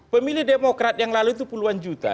pemilih demokrat yang lalu itu puluhan juta